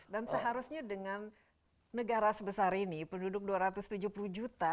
dan seharusnya dengan negara sebesar ini penduduk dua ratus tujuh puluh juta